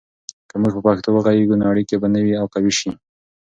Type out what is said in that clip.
که موږ په پښتو وغږیږو، نو اړیکې به نوي او قوي سي.